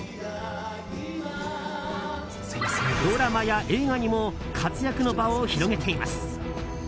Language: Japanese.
ドラマや映画にも活躍の場を広げています。